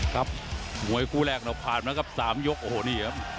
ครับหมวยกู้แหลกพัดมา๓ยกเฮ้านี่ครับ